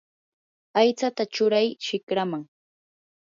aychata churay shikraman.